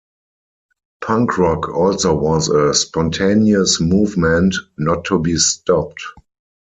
Punk rock also was a spontaneous movement, not to be stopped.